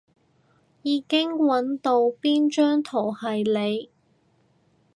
已經搵到邊張圖係你